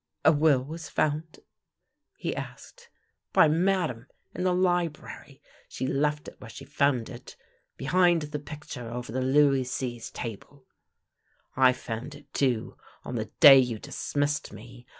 " A will was found? " he asked. " By Aladame, in the library. She left it where she found it — behind the picture over the Louis Seize table, I found it too, on the day you dismissed me.